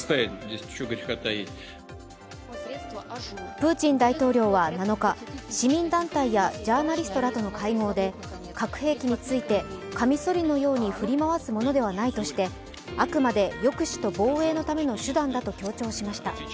プーチン大統領は７日、市民団体やジャーナリストらとの会合で核兵器についてかみそりのように振り回すものではないとしてあくまで抑止と防衛のための手段だと強調しました。